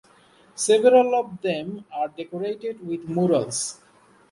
Several of them are decorated with murals.